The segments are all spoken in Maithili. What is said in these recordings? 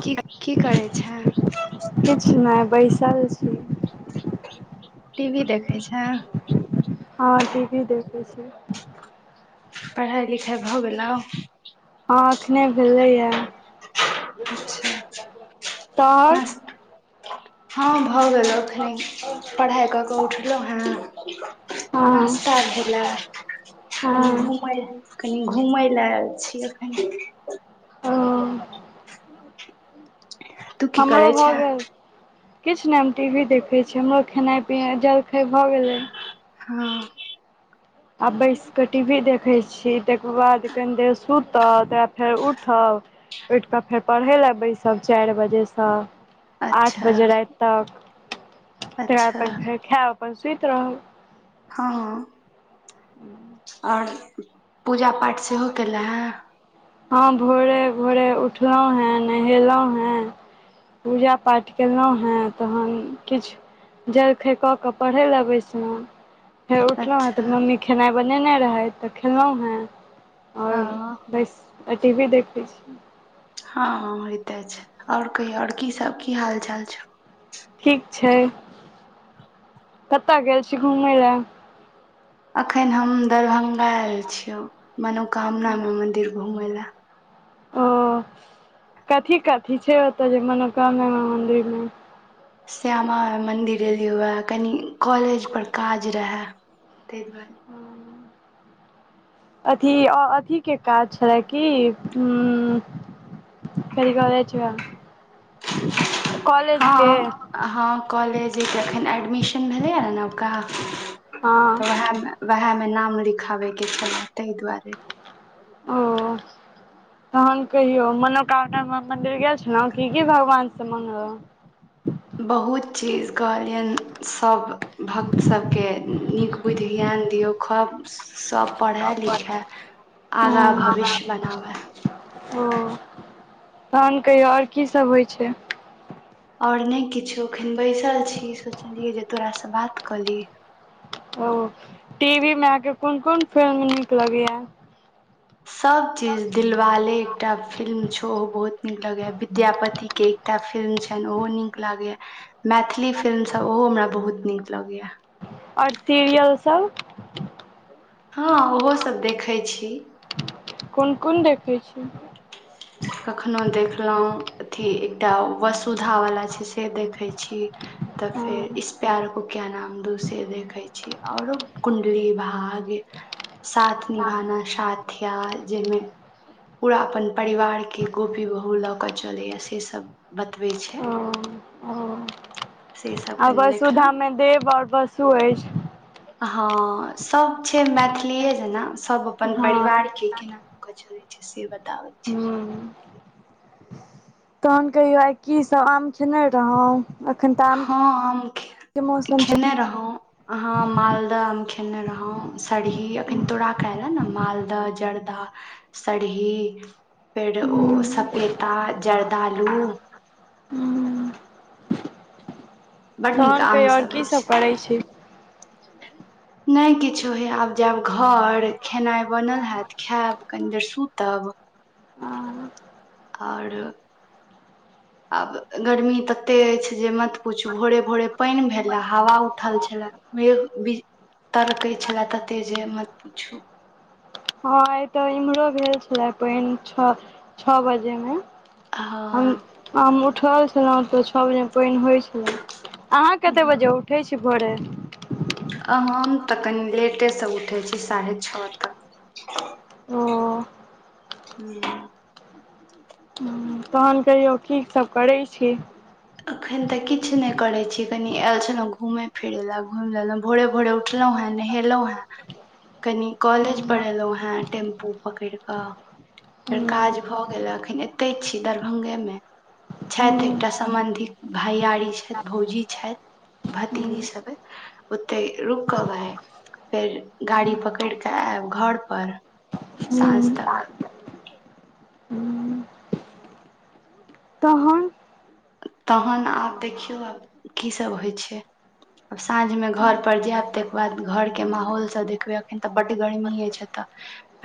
की की करै छै चल छी टी वी देखै छै हँ टी वी देखै छी पढ़ाइ लिखाई भऽ गेलौ हँ एखने भेलै यै अच्छा तोहर नाश्ता हँ भऽ गेलौ एखने पढ़ाइ कऽ कऽ उठलहु हेँ नास्ता हँ भेलय कनि हँ घूमय कनि घूमय लए आयल छियैखनि ओ तू की हमरो करै भऽ छेँ गेल किछु नहि हम टी वी देखै छियै हमरो खेनाइ पिनाइ जलखय भऽ गेलै हँ आ बैस कऽ टी वी देखैत छी तकर बाद कनि देर सुतब तकर बाद फेर उठब उठि कऽ फेर पढ़य लए बैसब चार बजेसँ आठ अच्छा बजे राति तक तकर बाद अच्छा अपन फेर खायब अपन सुति रहब हँ आओर पूजा पाठ सेहो कयलै हन हँ भोरे भोरे उठलहुँ हेँ नहेलहुँ हेँ पूजा पाठ कयलहुँ हेँ तहन किछ जलखैय कऽ कऽ पढ़य ले बैसलो फेर उठलहुँ हेँ अच्छा तऽ मम्मी खेनाइ बनेने रहै तऽ खेलहुँ हेँ ओर हँ बस टी वी देखय छी हँ होइते छै ओर कहियौ ओर की सब की हाल चाल छौ ठीक छै कतय गेल छी घूमय लए अखन हम दरभंगा आयल छियौ मनोकामना मे मंदिर घुमै ल ओ कथी कथी छै ओतऽ जे मनोकामना मन्दिरमे श्यामा माइ मंन्दिर एलियै वह कनि कॉलेज पर काज रहै त दु बल अथी अथीे के काज छलए कि ह कथि कहला छ का हँ हँ कॉलेज अ त एखन एडमिशन भेलैए ने नवका तऽ हँ उएहमे उएहमे नाम लिखाबैके छलए तहि दुआरे ओ तहन कहियौ मनोकामना मे मन्दिर गेल छलहुँ की की भगवान से मङ्गलहुँ ह बहुत चीज कहलियन सभ भक्त सभके नीक बुद्धियनि ध दियऔ खब सब पढ़ए लिखए आगा भविष्य बनाबए ओ तहन कहियौ ओर की सब होइ छै ओर नहि किछो एखन बैसल छी सोचलियै जे तोरासँ बात कऽ लीह ओ टीवी मे आहके कोन कोन फिल्म नीक लगैया सब चीज दिलवाले एकटा फिल्म छो ओ बहुत नीक लगेए या विद्यापति के एकटा फिल्म छनि ओहो नीक लागैया मैथिली फिल्म सब ओहो हमरा बहुत नीक लगैया आओर सीरियलसभ हँ ओहो सब देखै छी कोन कोन देखै छी कखनोहु देखलहुँ अथी एकटा वसुधावला छै से देखै छी तऽ ओ फेर इस प्यार को क्या नाम दू से देखै छी आओरो कुण्डली भाग साथ निभाना साथ या जाहिमे पूरा अपन परिवारके गोपी बहु लऽ कऽ चलैय से सब बतबै छै ओ से सब आ कनि वसुधामे देखलहुँ देव आओर पसु अछि ह सब छै मैथिलीे जेना सब अपन हँ परिवार के केना लो के चलय छै [unintelligible] हू तहन कहियौ आय की सब आम खेने रहौ हँ हम खे मौसम छै खेने रहौ अह मालदह आम खेने रहौ सरही अखन तोरा कहले ने मालदह जर्दाह सरही फेर ओ हूँ सपेता जर्दालू हूँ बड नीक तखन कह आम आओर सब कीसभ अछि करै छी नहि किछो हय आब जायब घर खेनाइ बनल हैत खैब कनि देर सुतब हँ आओर [inaudible] आब गर्मी तते अछि जे मत पुछू भोरे भोरे पानि भेल हे हवा उठल छलए मेघ बिज तरकै छल कऽते जे मत पूछू आइ तऽ इम्हरो भेल छले पइन छ छौ बजे मे हम हँ आ उठल छलहुँ तऽ छओ बजे पानि होइत छले अहाँ कते बजे उठे छी भोरे हम तऽ कनि लेटेसँ उठै छी साढ़े छओ तक ओ ह्म तहन कहियौ कीसभ करय छी अखन ते किछ ने करे छी कनी आएल छलहु घूमे फिरे ला घुम ल भोरे भोरे उठलो हे ह नहेलहुं हैं कनि कॉलेज पढ़ेलहुं हैं टेम्पू पकड़ कऽ फेर काज भऽ गेल एखन एते छी दरभंगे मे छथि एकटा सम्बन्धित भैयारी छथि भौजी छथि भतीजी सभ ओते रुकव आय फेर गाड़ी पकड़ि कऽ आयब घर पर साँझ ह आ तक तहन तहन आब देखियौ आब कीसभ होइ छै आब साँझमे घर पर जायब ताके बाद घरके माहौल सब देखबै अखन तऽ बड गर्मी अछि एतऽ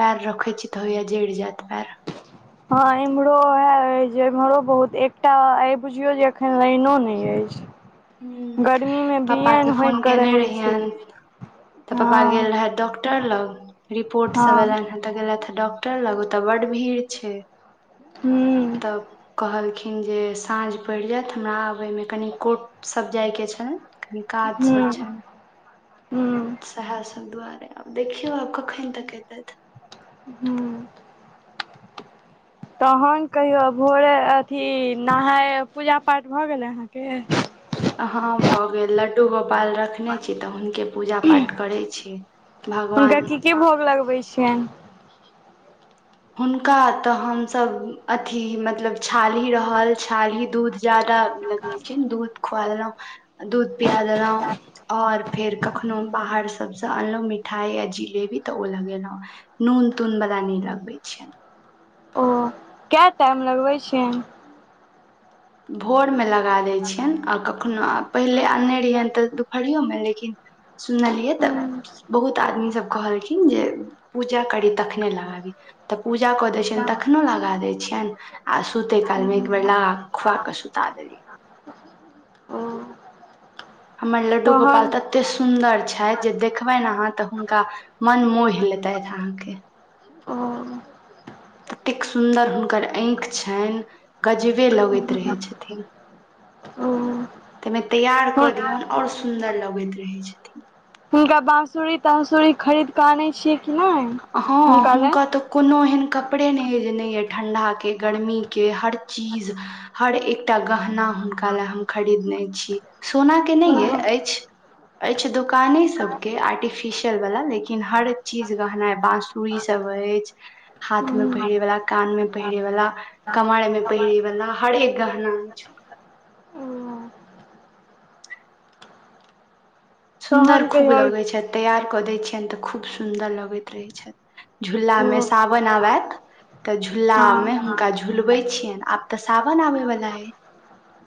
पैर रखै छित होइए जेड़ जात पैर हँ एम्हरो उएह अछि जे इम्हरो बहुत एकटा आइ बुझियौ जे एखन लाइनो नहि अछि ह गर्मी मे बियैन पापाके होइक फोन के केने रहै छी रहियन तऽ पापा गेल हँ रहय डॉक्टर लग रिपोर्ट सब हँ एलनि हेँ तऽ गेलथि डॉक्टर लग ओ तऽ बड्ड भीड़ छै हू त कहलखिन जे साँझ पड़ि जायत हमरा आबयमे कनि कोट सब जायके छै कनि काज सब हूँ छैन हूँ सेहा सब दुआरे आब देखियौ आब कखन तक अतय हूँ तहन कहियौ भोरे अथी नहाय पूजा पाठ भऽ गेलै अहाँके हाँ भऽ गेल लड्डू गोपाल रखने छी तऽ हुनके पूजा पाठ करैत छी हुनका भगवान कि-की भोग लगबै छियनि हुनका तऽ हमसभ अथी मतलब छालही रहल छालही दूध जा लगबै छै दूध खुआ देलहुं दूध पिया देलहुं और फेर कखनो बाहर सबसं अनलहु मिठाई या जिलेबी तऽ ओ लगेलहुं तुन-तून बला न लगबै छियै किया टाइम लगबै छियनि भोरमे लगा दैत छियनि आ कखनो आ पहिले आनने रहियनि तऽ दुपहरियोमे लेकिन सुनलियै तऽ बहुत आदमी सब कहलखिन जे पूजा करी तखने लगाबी तऽ पूजा कऽ दै छियनि तखनो लगा दै छियनि आ सुते काल मे एक बेर लागाके खुआ कऽ सुता देलियनि ओ हमर लड्डु गोपाल तहन तते सु सुन्दर छथि जे देखबनि अहाँ तऽ हुनका मन मोहि लेतहिन अहाँके ओ ततेक सुन्दर हुनकर आँखि छनि गजबे लगैत रहैत छथिन ओ ताहिमे तैयार कऽ हुन दिऔन आओर सुन्दर लगैत रहय छथिन हुनका बाँंसुरी ताँंसुरी खरीदके आनै छी हँ हुनका तऽ कोनो एहन क कपड़े नहि ये जे नहि ये ठंडा के गर्मी के हर चीज हर एकटा गहना हुनका लए हम खरीदने छी सोना के नहि ओ अछि अछि दुकाने सबके आर्टिफिशियल वाला लेकिन हर चीज गहना बासुरी सब अछि हाथ में हूँ पहिरे वला कान में पहिरे वाला कमर मे पहिरै वाला हरेक गहना ओ सुन्दर तहन खूब कहियौ लगैत छै तैयार कऽ दैत छियनि तऽ खूब सुन्दर लगैत रहै छ झूला मे ओ सावन आबैत तऽ झूलामे हँ हुनका झुलबै छियनि आब तऽ सावन आबै वला अछि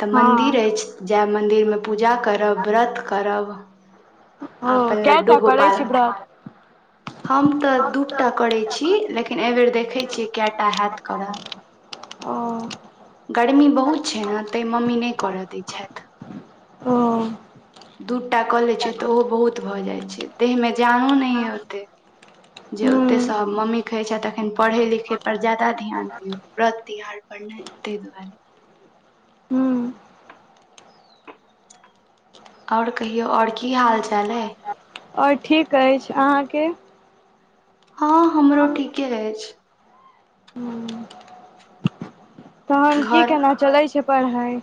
तऽ हँ मन्दिर अछि जायब मन्दिरमे पूजा करब व्रत करब ओ अपन लड्डू कैटा करै छी गोपालक व्रत हम तऽ दू टा करैत छी लेकिन एहिबेर देखैत छियै कएटा हैत करल हं हं गर्मी बहुत छै ने ताहि मम्मी नहि करय दैत छथि ओ दू टा कऽ लैत छियै तऽ ओहो बहुत भऽ जाइत छै देहमे जानो नहि यै ओतेक जे हुँ ओतेसँ मम्मी कहैत छथि तखन पढ़य लिखै पर ज्यादा ध्यान दियौ व्रत तिहार पर तै दुआरे हुँ आओर कहियौ आओर की हाल चाल अइ आओर ठीक अछि अहाँके हँ हमरो ठीके अछि तहन की घर केना चलै छै पढ़ाई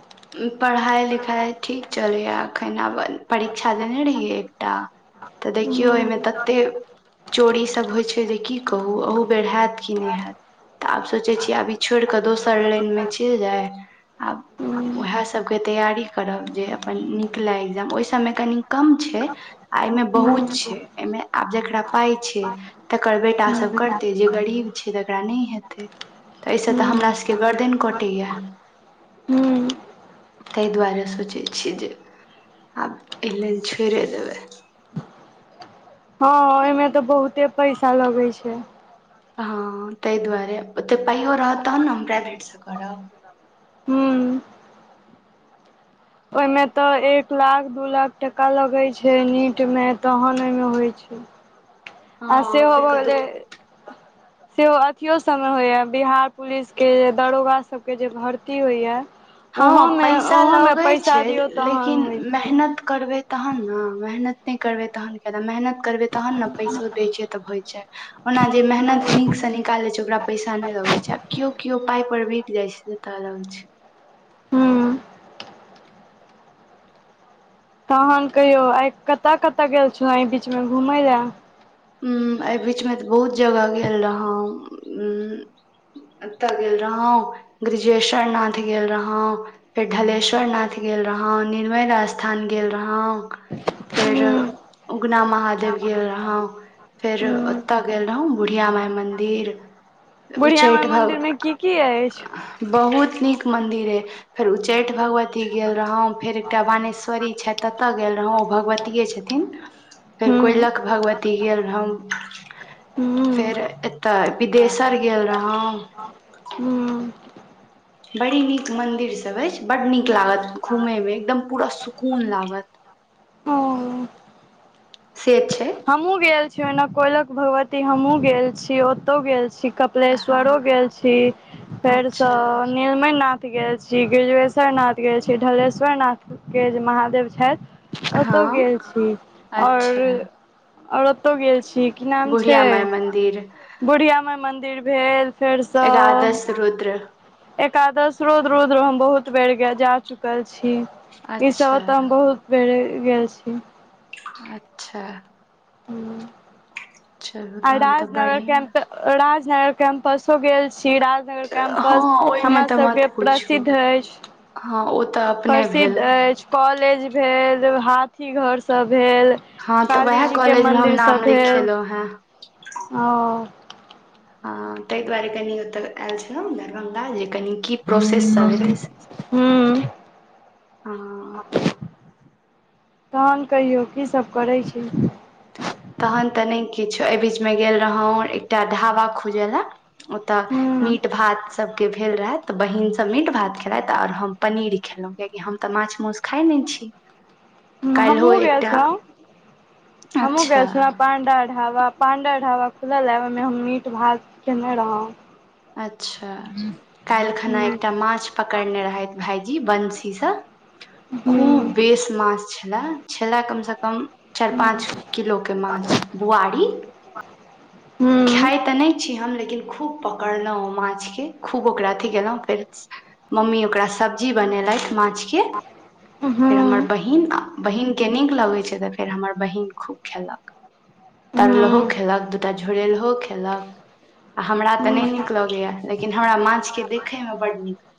पढ़ाइ लिखाइ ठीक चलैए एखन आब परीक्षा देने रहियै एकटा तऽ हुँ देखियौ एहिमे ततेक चोरीसभ होइ छै जे की कहू अहू बेर हैत कि नहि हैत तऽ आब सोचै छियै आब ई छोड़ि कऽ दोसर लाइनमे चलि जाय आब हुँ हुँ उएह सभके तैयारी करब जे अपन निकलय एग्जाम ओहिसभमे कनी कम छै एहिमे बहुत छै हुँ एहिमे आब जेकरा पाय छै तकर बेटा सब करतै जे गरीब छै तकरा नहि हेतै तऽ एहिसँ तऽ हमरा सभके गर्दन कटैया हू तए दुआरे सोचै छिय जे आब एल्ल छोड़ि देबै हँ ओहिमे तऽ बहुते पैसा लगै छैय हँ ताहि दुआरे ओते पाइयो रहत तहन न हम प्राइवेट सँ करब हूँ ओहिमे तऽ एक लाख दू लाख टका लगैत छै नीटमे तहन ओहिमे होइ छै आ हँ सेहो फेर भऽ कतहु गेलै सेहो अथियो सब आबै या बिहार पुलिस के दारोगा सब के जे भर्ती होइया हँ पैसा लगैत छै दियौ तहन लेकिन होइ छै मेहनत करबै तहन न मेहनत नहि करबै तहन कना मेहनत करबै तहन न पैसो दै छै तऽ होइ छै ओना जे मेहनत नीक से निकालै छै ओकरा पैसा नहि लगे छै आब केओ केओ पााय पर बिक जाइ छै पच हूँ तन कहियौ आइ कतय कतय गेल छल एहि बीचमे घुमय लए हुँ एहि बीचमे तऽ बहुत जगह गेल रहौ उ एतय गेल रहौं ब्रिजेश्वर नाथ गेल रहौं फेर ढलेश्वर नाथ गेल गेल रहौ निरमैन स्थान गेल रहौ फेर हूँ उगना महादेव गेल रहौ फेर हूँ ओतय गेल रहौ बुढ़िया मााय मन्दिर बुढ़िया माइ उच्चैठ भव मन्दिरमे की की अछि बहुत नीक मंदिर एय फेर उच्चैठ भगवती गेल रहौं फेर एकटा बानेश्वरी छै ततए हां भगवतिए छथिन फेर हूँ कोयलक भगवती गेल रहौ हूँ फेर एतऽ विदेशर गेल रहौ हूँ बड़ी नीक मन्दिर सभ अछि बड नीक लागत घूमैए में एकदम पूरा सुकून लागत ह [inaudible] से छै हमहूँ गेल छी ओनऽ कोयलक भगवती हमहूँ गेल छी ओतौ गेल छी कपिलेश्वरो हँ गेल छी फेरसँ अच्छा नीरमैय नाथ गेल छी ग्रिजेश्वर नाथ गेल छी ढलेश्वर नथके जे महादेव छैथ ओतौ गेल हँ छी आओर अच्छा और ओतौ गेल छी की नाम बुढ़िया छैय माय मन्दिर बुढ़िया माय मंदिर भेल फेरसँ एकादश रुद्र एकादश रौद रौद हम बहुत बेर जा चुकल छी अच्छा ईसौत तऽ हम बहुत बड़े गेल छी अच्छा चलू आ तहन तऽ राजनगर कैम्प बढ़िया राजनगर कैम्पसो गेल श्री राजनगर कैम्पस हँ ओहिमे हमरा तऽ सबके मत पूछू प्रसिद्ध अछि हँ ओ तऽ अपने प्रसिद्ध भेल अछि कॉलेज भेल हाथी घर सब भेल हँ तऽ काली वएह जी के कॉलेज मे हम मंदिर सब नाम भेल लिखेलहुं हें ओ अ ताहि दुआरे कनि ओतय आयल छलौ दरभंगा जे कनि की प्रोसेस सब हेतै हूँ ह तहन कहियौ कीसभ करै छी तहन तऽ नहि किछु एहि बीचमे गेल रहौ एकटा ढाबा खुजव लए ओतऽ हूँ मीट भात सबके भेल रहै बहीनसभ मीट भात खेलथि आओर हम पनीर खेलौ कियाकि हम तऽ माछ मौस खाए नैय छी काल्हिहो हमहुँ गेल एकटा छ हमहुँ अच्छा गेल छ पांडा ढाबा पांडा ढाबा खुलल हे ओहिमे हम मीट भात खेने रहौ अच्छा काल्हि खना हूँ एकटा माछ पकड़ने रहैथ भाायजी बंसीसँ खूब हूँ बेस माछ छले छले कम से कम चारि पाँच किलो के माछ बुआरी खाय तऽ नैय छी हम लेकिन खूब पकड़लौ ओ माछ के खूब ओकरा अथि केलौं फेर मम्मी ओकरा सब्जी बनेलथि माछ के हूँ फेर हूँ हमर बहिन बहिन के नीक लगै छै तऽ फेर हमर बहिन खूब खेलक तरलहो हूँ खेलक दुटा फेर इहो खेलक आ हमरा तऽ नहि हूँ नीक लगैए लेकिन हमरा माछके देखैमे बड्ड नीक लगैए